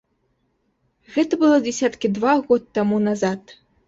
Гэта было дзесяткі два год таму назад.